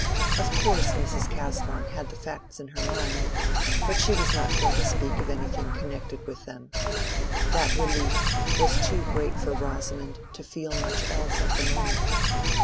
Of course Mrs. Casaubon had the facts in her mind, but she was not going to speak of anything connected with them. That relief was too great for Rosamond to feel much else at the moment.